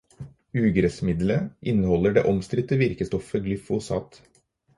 Ugressmiddelet inneholder det omstridte virkestoffet glyfosat.